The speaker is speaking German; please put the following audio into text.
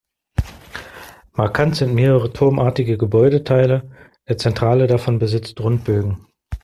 Markant sind mehrere turmartige Gebäudeteile, der zentrale davon besitzt Rundbögen.